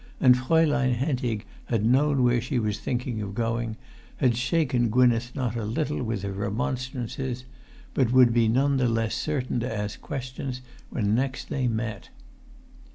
And Fraulein Hentig had known where she was thinking of going, had shaken Gwynneth not a little[Pg 325] with her remonstrances, but would be none the less certain to ask questions when next they met.